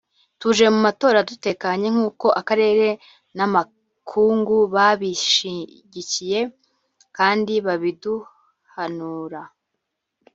tuje mu matora dutekanye nk'uko akarere n'amakungu babishigikiye kandi babiduhanura